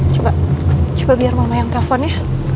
coba coba biar mama yang telepon ya